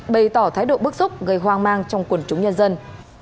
bày tỏ thái độ bức xúc gây hoang mang trong quần chúng nhân dân